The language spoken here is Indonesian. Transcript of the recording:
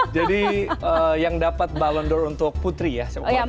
jadi yang dapat ballon d or untuk putri ya